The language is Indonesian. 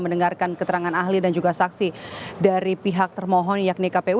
mendengarkan keterangan ahli dan juga saksi dari pihak termohon yakni kpu